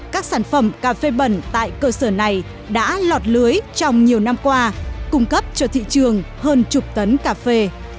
các sản phẩm cà phê bẩn tại cơ sở này đã lọt lưới trong nhiều năm qua cung cấp cho thị trường hơn chục tấn cà phê